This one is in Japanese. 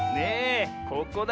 ここだ。